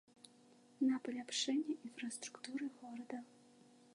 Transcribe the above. На паляпшэнне інфраструктуры горада.